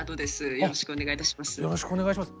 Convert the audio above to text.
よろしくお願いします。